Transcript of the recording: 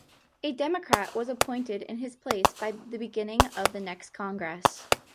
A Democrat was appointed in his place by the beginning of the next Congress.